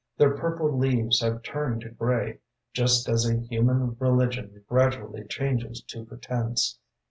Their purple leaves have turned to grey Just as a human religion Gradually changes to pretence.